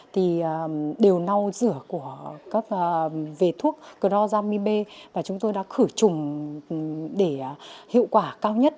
thì đều nâu rửa của các vệ thuốc crozami b và chúng tôi đã khử trùng để hiệu quả cao nhất